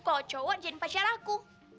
kalau cowok jadiin pacar aku